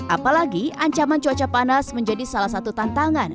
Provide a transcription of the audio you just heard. apalagi ancaman cuaca panas menjadi salah satu tantangan